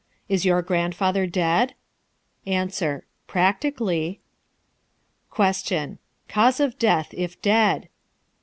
Is your grandfather dead? A. Practically. Q. Cause of death, if dead?